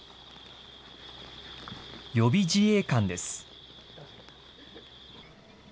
予備自衛官です。